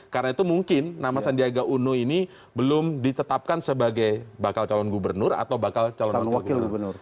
karena itu mungkin nama sandiaga uno ini belum ditetapkan sebagai bakal calon gubernur atau bakal calon wakil gubernur